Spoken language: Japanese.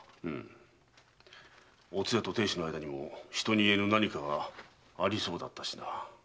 おつやと亭主の間にも人に言えぬ何かがありそうだったしな。